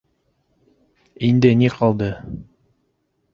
Инде ни ҡалды?